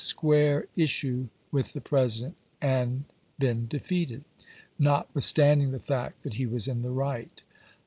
square issue with the President and been defeated, not chap.viii withstanding the fact that he was in the right.